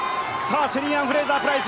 シェリー・アン・フレイザー・プライス。